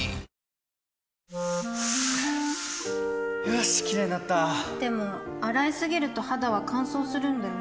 よしキレイになったでも、洗いすぎると肌は乾燥するんだよね